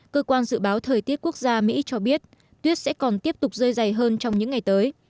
cơ quan dự báo thời tiết quốc gia mỹ cho biết tuyết sẽ còn tiếp tục rơi dày hơn trong những ngày tới